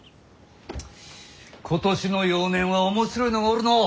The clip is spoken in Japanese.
今年の幼年は面白いのがおるのう。